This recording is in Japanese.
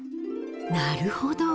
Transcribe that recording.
なるほど。